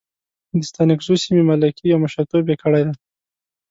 د ستانکزو سیمې ملکي او مشرتوب یې کړی دی.